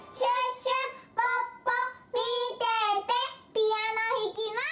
ピアノひきます！